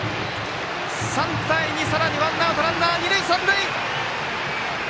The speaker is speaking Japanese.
３対２、さらにワンアウトランナー、二塁三塁。